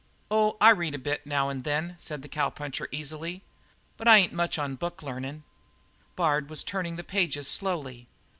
"Oh, I read a bit now and then," said the cowpuncher easily, "but I ain't much on booklearnin'." Bard was turning the pages slowly.